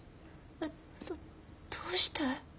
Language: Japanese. どどうして？